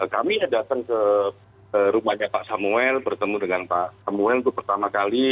kami datang ke rumahnya pak samuel bertemu dengan pak samuel itu pertama kali